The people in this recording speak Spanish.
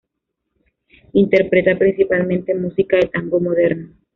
Interpreta principalmente música de tango moderno.